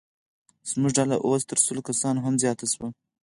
زموږ ډله اوس تر سلو کسانو هم زیاته شوه.